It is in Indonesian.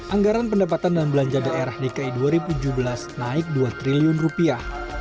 anggaran pendapatan dan belanja daerah dki dua ribu tujuh belas naik dua triliun rupiah